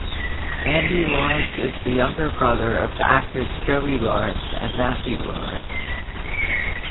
Andy Lawrence is the younger brother of the actors Joey Lawrence and Matthew Lawrence.